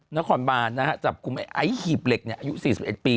เนื่องขอนบาลและจับกุมไอ้หีบเล็กอายุ๔๑ปีเนี่ย